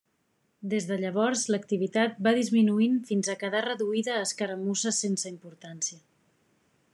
Des de llavors l'activitat va disminuint fins a quedar reduïda a escaramusses sense importància.